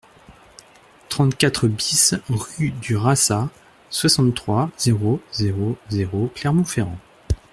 trente-quatre BIS rue du Rassat, soixante-trois, zéro zéro zéro, Clermont-Ferrand